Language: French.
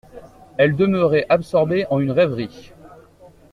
Elle demeurait absorbée en une rêverie.